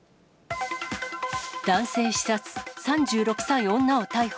男性刺殺、３６歳女を逮捕。